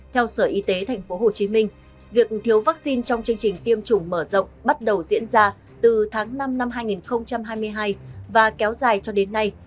theo sở y tế tp hcm việc thiếu vaccine trong chương trình tiêm chủng mở rộng bắt đầu diễn ra từ tháng năm năm hai nghìn hai mươi hai và kéo dài cho đến nay